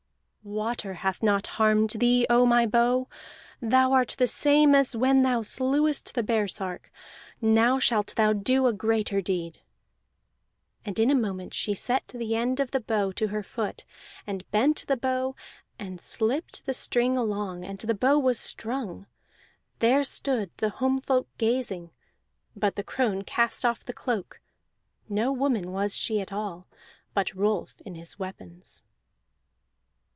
"Water hath not harmed thee, oh my bow! Thou art the same as when thou slewest the baresark. Now shalt thou do a greater deed!" And in a moment she set the end of the bow to her foot, and bent the bow, and slipped the string along, and the bow was strung! There stood the homefolk gazing, but the crone cast off the cloak. No woman was she at all, but Rolf in his weapons!